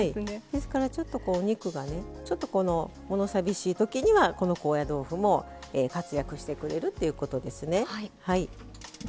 ですから肉が、もの寂しいときにはこの高野豆腐も活躍してくれるってことですね。